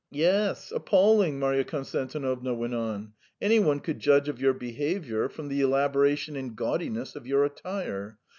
"Yes, appalling," Marya Konstantinovna went on. "Any one could judge of your behaviour from the elaboration and gaudiness of your attire.